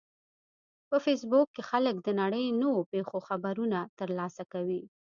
په فېسبوک کې خلک د نړۍ د نوو پیښو خبرونه ترلاسه کوي